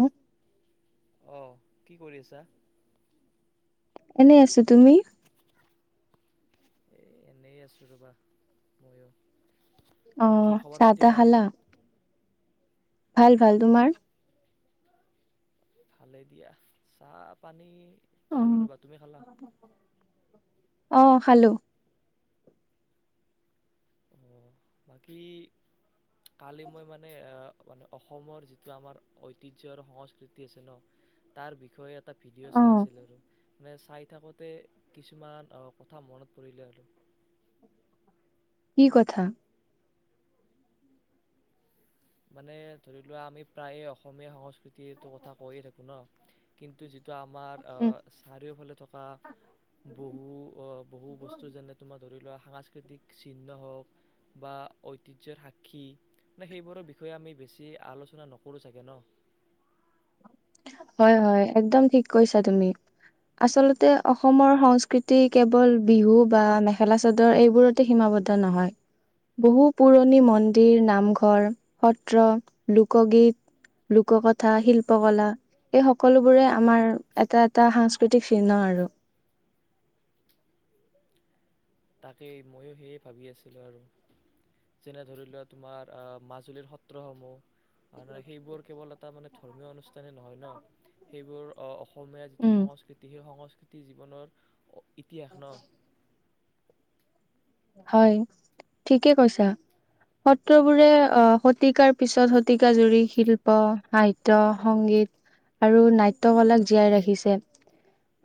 উ অঁ, কি কৰি আছা? এনেই আছোঁ, তুমি? এ এনেই আছোঁ ৰ'বা, ময়ো। বাকী অঁ খবৰ পাতি চাহ-তাহ ভাল? খালা? ভাল ভাল তোমাৰ? ভালে দিয়া চাহ----পানী! খালোঁ অ'। ৰ'বা, তুমি খালা? অঁ খালোঁ। বাকী কালি মই মানে আহ মানে অসমৰ যিটো আমাৰ ঐতিহ্যত আৰু সংস্কৃতি আছে ন তাৰ বিষয়ে এটা ভিডিঅ' চাই অ' আছিলোঁ আৰু। মানে চাই থাকোঁতে কিছুমান কথা মনত পৰিলে আৰু। কি কথা? মানে ধৰি লোৱাঁ আমি প্ৰায়ে অসমীয়া সংস্কৃতিটো কথা কৈয়ে থাকোঁ ন কিন্তু যি। আমাৰ উম, চাৰিওফালে থকা বহু বহু বস্তু যেনে তোমাৰ ধৰি লোৱাঁ। সাংস্কৃতিক চিহ্ন হওক বা ঐতিহ্যৰ সাক্ষী মানে সেইবোৰৰে। আমি বেছি আলোচনা নকৰোঁ চাগে ন! হয় হয় একদম ঠিক কৈছা তুমি আচলতে অসমৰ হয় হয়, একদম ঠিক কৈছা তুমি! আচলতে অসমৰ সংস্কৃতি কেৱল বিহু বা মেখেলা-চাদৰ এইবোৰতে সীমাবদ্ধ নহয় বহু পুৰণি মন্দিৰ নামঘৰ, সত্ৰ, লোকগীত, লোককথা, শিল্পকলা। এই সকলোবোৰে আমাৰ এটা এটা সাংস্কৃতিক চিহ্ন আৰু তাকেই ময়ো সেয়ে ভাবি আছিলো। আৰু যেনে ধৰি বাকী ময়ো বহু ভাৱি আছিলোঁ। আৰু যেনে ধৰি লোৱাঁ তোমাৰ আঁ মাজুলীৰ সত্ৰসমূহ সেইবোৰ কেৱল এটা মানে ধৰ্মীয় অনুষ্ঠানেই নহয় ন সেইবোৰ অঁ। অসমীয়া যিটো উম, সংস্কৃতি সেই সংস্কৃতি। জীৱনত। ইতিহাস ন। হয় ঠিকে কৈছা, সত্ৰবোৰে আঁ শতিকাৰ পিছত শতিকা জুৰি শিল্প, সাহিত্য, সংগীত আৰু নাট্যকলাক জীয়াই ৰাখিছে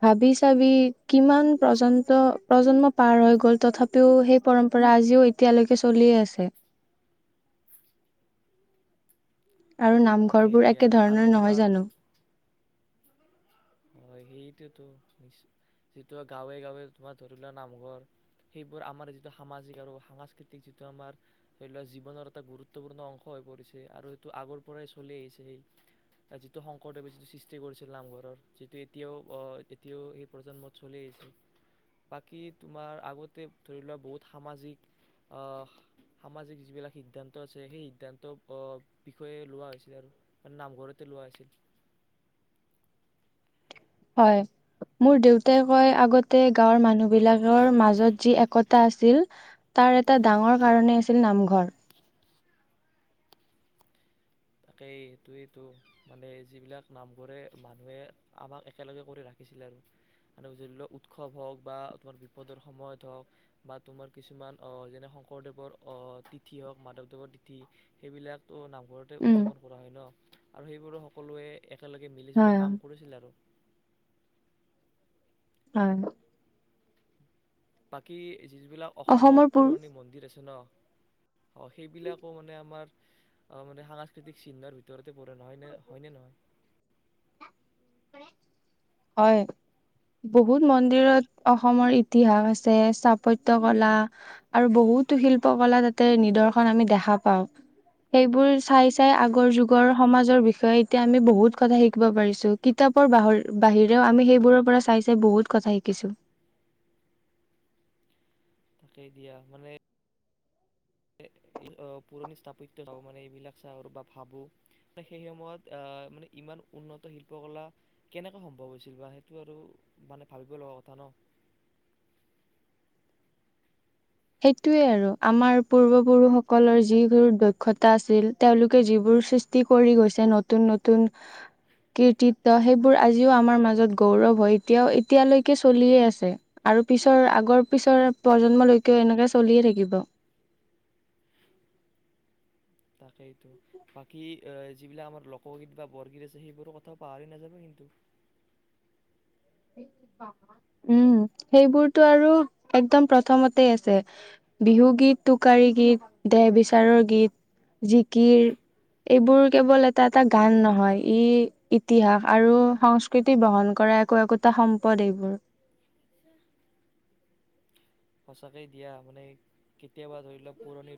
ভাবি চাবি কিমান প্ৰজন্ত প্ৰজন্ম পাৰ হৈ গ'ল তথাপি। টো সেই পৰম্পৰা আজিও এতিয়ালৈকে চলিয়ে আছে। তাৰে নামঘৰ তাকেই বোৰ দিয়া একে আৰু ধৰণৰ নহয় তোমাৰ জানো! হয় সেইটোতো যিটো গাঁৱে গাঁৱে তোমাৰ ধৰি লোৱা নামঘৰ সেইবোৰ আমাৰ যিটো সামাজিক আৰু সাংস্কৃতিক যিটো আমাৰ ধৰি লোৱা জীৱনৰ এটা গুৰুত্বপূৰ্ণ অংশ হৈ পৰিছে আৰু সেইটো আগৰ পৰাই চলি আহিছে সেই যিটো শংকৰদেৱে যিটো সৃষ্টি কৰিছিল নামঘৰৰ যিটো এতিয়াও এতিয়াও সেই প্ৰজন্মত চলি আহিছিল বাকী তোমাৰ আগতে ধৰি লোৱা বহুত সামাজিক সামাজিক যিবিলাক সিদ্ধান্ত আছে সেই সিদ্ধান্ত বিষয়ে লোৱা হৈছিল আৰু এই নামঘৰতে লোৱা হৈছিল। হয় মোৰ দেউতাই কয় আগতে গাঁৱৰ মানুহ বিলাকৰ মাজত যি একতা আছিল তাৰ এটা ডাঙৰ কাৰণে আছিল নামঘৰ। তাকেই সেইটোৱেইতো মানে যিবিলাক নামঘৰে মানুহে আমাক একেলগে কৰি ৰাখিছিলে আৰু মান ধৰি লওক উৎসৱ হওক বা তোমাৰ বিপদৰ সময়ত হওক বা তোমাৰ কিছুমান অ যেনে শংকৰদেৱৰ অ তিথি হওঁক মাধৱদেৱৰ তিথি সেইবিলাকো নামঘৰত উম, উদযাপন কৰা হয় ন আৰু সেইবোৰো সকলোৱে একেলগে মিলি জুলি হয়, কাম কৰিছিল আৰু হয় বাকি যিবিলাক অসমৰ পুৰণি মন্দিৰ আছে ন অ সেইবিলাকো মানে আমাৰ অ মানে সাংস্কৃতিক চিন্ধৰ ভিতৰত তে পৰে নহয় নে হয়নে নহয় হয় বহুত মন্দিৰত অসমৰ ইতিহাস আছে স্থাপত্য কলা আৰু বহুতো শিল্প কলা তাতে নিদৰ্শন আমি দেখা পাওঁ সেইবোৰ চাই চাই আগৰ যুগৰ সমাজৰ বিষয়ে এতিয়া আমি বহুত কথা শিকিব পাৰিছো কিতাপৰ বাহিৰেও আমি সেইবোৰৰ পৰা চাই চাই বহুত কথা শিকিছো তাকেই দিয়া মানে পুৰণি স্থাপত্য মানে এইবিলাক চা আৰু বা ভাবো ত সেই সময়ত আহ মানে ইমান উন্নতি শিল্পকলা কেনেকৈ সম্ভৱ হৈছিল বা সেইটো আৰু মানে ভাবিব লগা কথা ন সেইটোয়ে আৰু আমাৰ পূৰ্বপুৰুষসকলৰ যিবোৰ দক্ষতা আছিল তেওঁলোকে যিবোৰ সৃষ্টি কৰি গৈছে নতুন নতুন কৃতিত্ব সেইবোৰ আজিও আমাৰ মাজত গৌৰৱ হয় এতিয়াও এতিয়ালৈকে চলিয়ে আছে আৰু পিছৰ আগৰ পিছৰ প্ৰজন্মলৈ কে এনেকে চলিয়ে থাকিব তাকেইতো বাকী এ যিবিলাক আমাৰ লোকগীত বা বৰগীত আছে সেইবোৰৰ কথাও পাহৰি নাযাব কিন্তু উম সেইবোৰটো আৰু একদম প্ৰথমতে আছে বিহু গীত টোকাৰী গীত দেহ বিচাৰৰ গীত জিকিৰ এইবোৰ কেৱল এটা এটা গান নহয় ই ইতিহাস আৰু সংস্কৃতি বহন কৰা একো একো তা সম্পদ এইবোৰ সঁচাকেই দিয়া মানে কেতিয়াবা ধৰি লোৱাক পুৰণি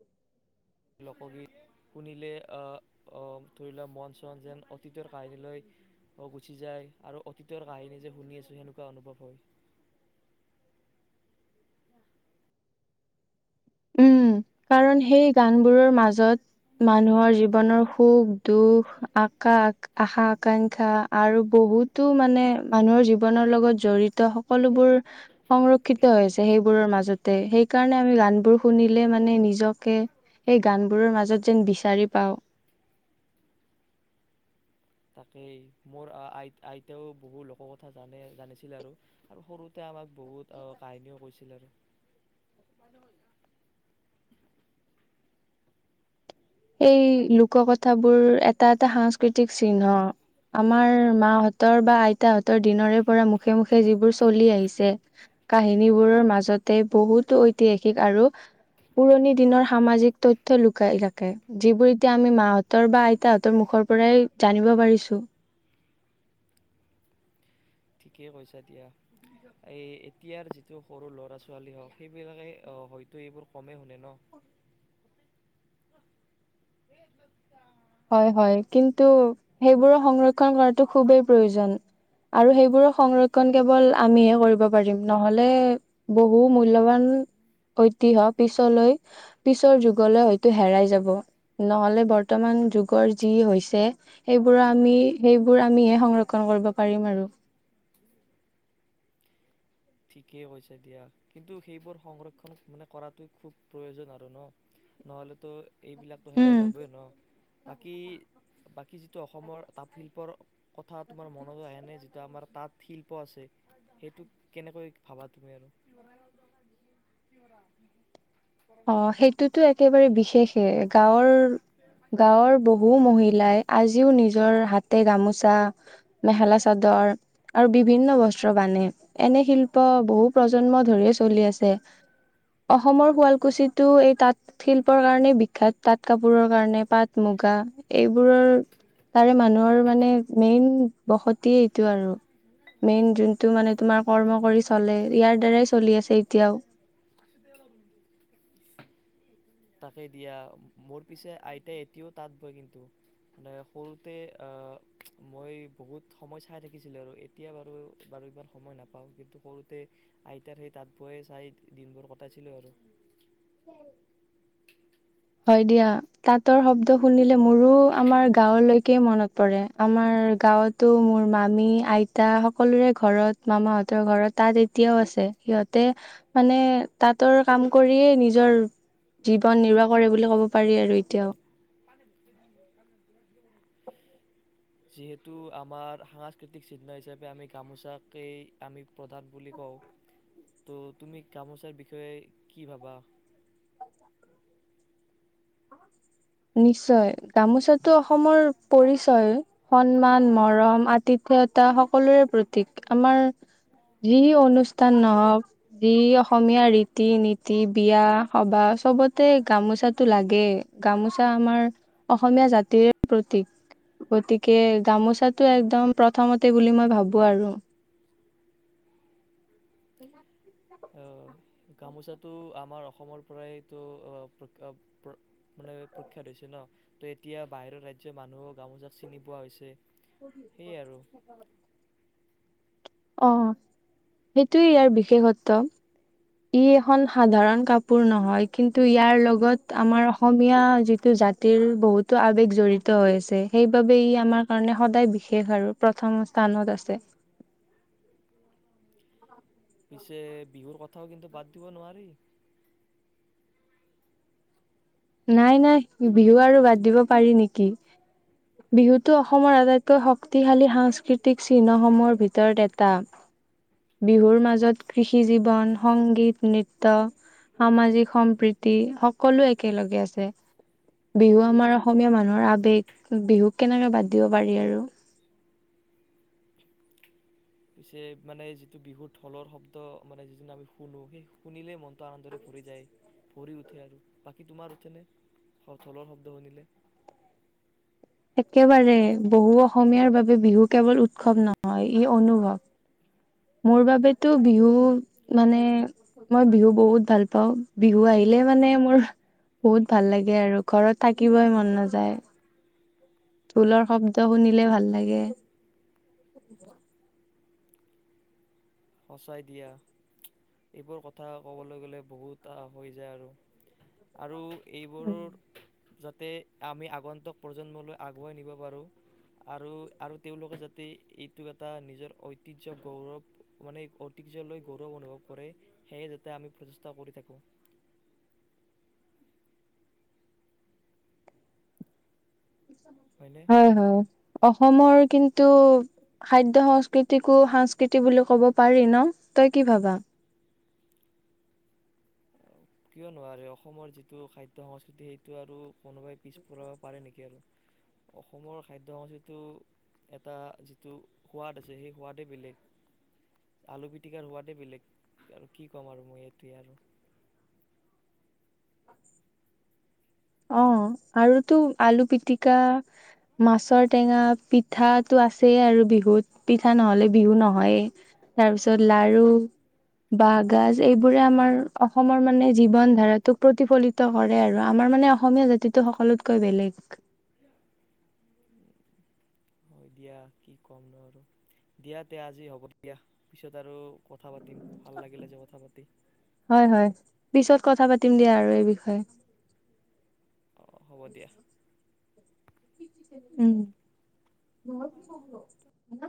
লোকগীত শুনিলে আহ আহ ধৰি লোৱা মন চন যেন অতীতৰ কাহিনীলৈ আহ গুচি যায় আৰু অতীতৰ কাহিনী যে শুনি আছো সেনেকুৱা অনুভৱ হয় উম, কাৰণ সেই গান বোৰৰ মাজত মানুহৰ জীৱনৰ সুখ দুখ আকাশ আশা আকাংক্ষা আৰু বহুতো মানে মানুহৰ জীৱনৰ লগত জৰি়ত সকলোবোৰ সংৰক্ষিত হৈছে সেইবোৰৰ মাজতে সেইকাৰণে আমি গান বোৰ শুনিলে মানে নে নিজকে সেই গানবোৰৰ মাজত যেন বিচাৰি পাওঁ তাকেই মোৰ আ আই আইতাও বহু লোকৰ কথা জানে জানিছিল আৰু আৰু সৰুতে আমাক বহুত কাহিনীও কৈছিল আৰু সেই লোক কথাবোৰ এটা এটা সাংস্কৃতিক চিহ্ন আমাৰ মাহতৰ বা আইতাহঁতৰ দিনৰে পৰা মুখে মুখে যিবোৰ চলি আহিছে কাহিনীবোৰৰ মাজতে বহুতো ঐতিহাসিক আৰু পুৰণি দিনৰ সামাজিক তথ্য লুকাই ৰাখ কে যিবোৰ এতিয়া আমি মাহঁতৰ বা আইতাহঁতৰ মুখৰ পৰাই জানিব পাৰিছো ঠিকেই কৈছা দিয়া এই এতিয়াৰ যিটো সৰু ল'ৰা ছোৱালী হওঁক সেইবিলাকে হয়তো এইবোৰ কমেই শুনে ন হয় হয় কিন্তু সেইবোৰৰ সংৰক্ষণ কৰাটো খুবেই প্ৰয়োজন আৰু সেইবোৰৰ সংৰক্ষণ কেৱল আমিহে কৰিব পাৰিম নহ'লে বহু মূল্যবান ঐতিহ্য পিছলৈ পিছৰ যুগলৈ হয়তো হেৰাই যাব নহলে বৰ্তমান যুগৰ যি হৈছে সেইবোৰ আমি সেইবোৰ আমি সংৰক্ষণ কৰিব পাৰিম আৰু ঠিকেই কৈছে দিয়া কিন্তু সেইবোৰ সংৰক্ষণ মানে কৰাটো খুব প্ৰয়োজন আৰু ন নহলেতো এইবিলাকটো উম, হেৰাই যাবই ন বাকী বাকী যিটো অসমৰ তাঁতশিল্পৰ কথাত তোমাৰ মনত আহেনে যেতিয়া আমাৰ তাত শিল্প আছে সেইটো কেনেকৈ ভাবা তুমি আৰু অ সেইটোতো একেবাৰে বিশেষে গাঁৱৰ গাঁৱৰ বহু মহিলাই আজিও নিজৰ হাতে গামোচা মেখেলা চাদৰ আৰু বিভিন্ন বস্ত্ৰ বানে এনে শিল্প বহু প্ৰজন্ম ধৰিয়ে চলি আছে অসমৰ শুৱাল কুচি টো এই তাঁত শিল্পৰ কাৰণে বিখ্যাত তাঁত কাপোৰৰ কাৰণে পাট মুগা এইবোৰৰ তাৰে মানুহৰ মানে মেইন বসতিয়ে এইটো আৰু মেইন যোনটো টো মানে তোমাৰ কৰ্ম কৰি চলে ইয়াৰ দ্বাৰাই চলি আছে এতিয়াও তাকে দিয়া মোৰ পিছে আইতাই এতিয়াও তাঁত বয় কিন্তু মানে সৰুতে আহ মই বহুত সময় চাই থাকিছিলো আৰু এতিয়া বাৰু বাৰু এইবোৰ সময় নাপাওঁ কিন্তু সৰুতে আইতাৰ সেই তাঁত বয় চাই দিনবোৰ কটাইছিলো আৰু হয় দিয়া তাঁতৰ শব্দ শুনিলে মোৰো আমাৰ গাঁৱলৈকে মনত পৰে আমাৰ গাঁৱতো মোৰ মামী আইতা সকলোৰে ঘৰত মামাহঁতৰ ঘৰত তাঁত এতিয়াও আছে সিহঁতে মানে তাঁতৰ কাম কৰিয়ে নিজৰ জীৱন নিৰ্বাহ কৰে বুলি ক'ব পাৰি আৰু এতিয়াও যিহেতু আমাৰ সাংস্কৃতিক চিহ্ন হিচাপে আমি গামোচাকেই আমি প্ৰধান বুলি কওঁ ত' তুমি গামোচাৰ বিষয়ে কি ভাবা নিশ্চয় গামোচাতটো অসমৰ পৰিচয় সন্মান মৰম আতিথ্যতা সকলোৰে প্ৰতীক আমাৰ যি অনুষ্ঠান নহক যি অসমীয়া ৰীতি নীতি বিয়া সবাহ চবতে গামোচাতো লাগে গামোচা আমাৰ অসমীয়া জাতিৰ প্ৰতীক গতিকে গামোচাতো একদম প্ৰথমতে বুলি মই ভাবো আৰু এ অ' গামোচাটো আমাৰ অসমৰ পৰাইতো মানে প্ৰখ্যাত হৈছে ন ত এতিয়া বাহিৰৰ ৰাজ্যৰ মানুহো গামোচা চিনি পোৱা হৈছে কবি সেয়ে আৰু অ সেইটোৱে ইয়াৰ বিশেষত্ব ই এখন সাধাৰণ কাপোৰ নহয় কিন্তু ইয়াৰ লগত আমাৰ অসমীয়া যিটো জাতিৰ বহুতো আৱেগ জড়িত হৈ আছে সেইবাবে ই আমাৰ কাৰণে সদায় বিশেষ আৰু প্ৰথম স্থানত আছে পিছে বিহুৰ কথাও কিন্তু বাদ দিব নোৱাৰি নাই নাই বিহু আৰু বাদ দিব পাৰি নেকি বিহুটো অসমৰ আটাইতকৈ শক্তিশালী সাংস্কৃতিক চিহ্নসমূহৰ ভিতৰত এটা বিহুৰ মাজত কৃষি জীৱন সংগীত নৃত্য সামাজিক সম্প্ৰীতি সকলো এক একেলগে আছে বিহু আমাৰ অসমীয়া মানুহৰ আবেগ বিহুক কেনেকে বাদ দিব পাৰি আৰু পিছে মানে যিটো বিহুত ঢোলৰ শব্দ মানে যি আমি শুনো সেই শুনিলেই মনটো আনন্দৰে ভৰি যায় ভৰি উঠে আৰু বাকী তোমাৰ উঠেনে ঢোলৰ শব্দ শুনিলে একেবাৰে বহু অসমীয়াৰ বাবে বিহু কেৱল উৎসৱ নহয় ই অনুভৱ মোৰ বাবেতো বিহু মানে মই বিহু বহুত ভাল পাওঁ বিহু আহিলে মানে মোৰ বহুত ভাল লাগে আৰু ঘৰত থাকিবই মন নাযায় ঢোলৰ শব্দ শুনিলে ভাল লাগে সচাই দিয়া এইবোৰ কথা ক'বলৈ গ'লে বহুত হৈ যায় আৰু আৰু এইবোৰো যাতে আমি আগন্তুক প্ৰজন্মলৈ আগুৱাই নিব পাৰোঁ আৰু আৰু তেওঁলোকে যাতে এইটো এটা নিজৰ ঐতিহ্য গৌৰৱ মানে ঐতিহ্যলৈ গৌৰৱ অনুভৱ কৰে সেয়ে যাতে আমি প্ৰচেষ্টা কৰি থাকোঁ হয়নে হয় হয় অ অসমৰ কিন্তু খাদ্য সংস্কৃতিকো সংস্কৃতি বুলি ক'ব পাৰি ন তই কি ভাবা কিয় নোৱাৰে অসমৰ যিটো খাদ্য সংস্কৃতি সেইটো আৰু কোনোবাই পিছপৰাব পাৰে নেকি আৰু অসমৰ খাদ্য সংস্কৃতিটো এটা যিটো সোৱাদ আছে সেই সোৱাদেই বেলেগ আলু পিটিকাৰ সোৱাদেই বেলেগ আৰু কি ক'ম আৰু মই এইেইটোৱে আৰু অ আৰুতো আলু পিটিকা মাছৰ টেঙা পিঠাটো আছে আৰু বিহুত পিঠা নহ'লে বিহু নহয়ে তাৰপিছত লাৰু বাঁহগাজ এইবোৰে আমাৰ অসমৰ মানে জীৱন ধাৰাটোক প্ৰতিফলিত কৰে আৰু আমাৰ মানে অসমীয়া জাতিটো সকলোতকৈ বেলেগ অ দিয়া কি ক'ম ন আৰু দিয়া তে আজি হ'ব দিয়া পিছত আৰু কথা পাতি া ভাল লাগিলে যে কথা পাতি হয় হয়। পিছত কথা পাতিম দিয়া আৰু এই বিষয়ে হ'ব দিয়া উম